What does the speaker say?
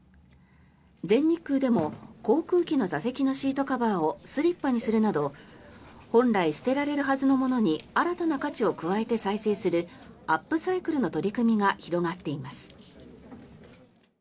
全日空でも航空機の座席のシートカバーをスリッパにするなど本来捨てられるはずのものに新たな価値を加えて再生するアップサイクルの取り組みが広がっています。